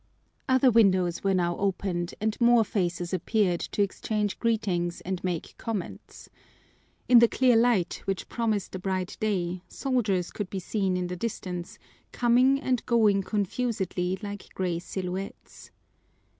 Other windows were now opened and more faces appeared to exchange greetings and make comments. In the clear light, which promised a bright day, soldiers could be seen in the distance, coming and going confusedly like gray silhouettes.